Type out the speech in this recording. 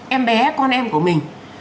em bé con em của mình